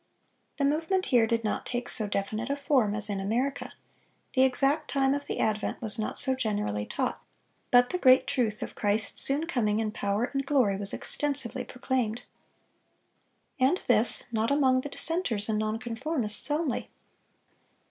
The movement here did not take so definite a form as in America; the exact time of the advent was not so generally taught, but the great truth of Christ's soon coming in power and glory was extensively proclaimed. And this not among the dissenters and non conformists only.